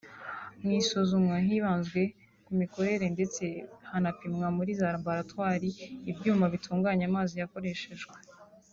Mu isuzuma hibanzwe ku mikorere ndetse hanapimwa muri za laboratwari ibyuma bitunganya amazi yakoreshejwe